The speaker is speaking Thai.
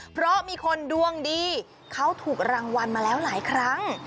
เพราะมีคนดวงดีเขาถูกรางวัลมาแล้วหลายครั้ง